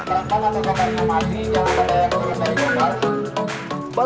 jangan lupa tenaga karirnya masih jangan lupa tekan tombol dari jembatan